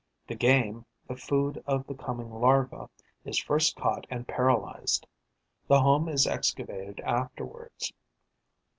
The game, the food of the coming larva, is first caught and paralysed; the home is excavated afterwards.